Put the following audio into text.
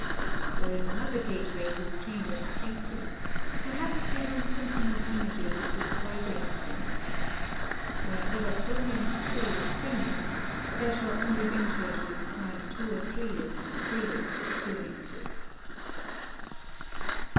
There is another gateway whose chambers are empty ;— per haps they once contained images of the Four Deva Kings. There are ever so many curious things ; but I shall only venture to describe two or three of my queerest experiences.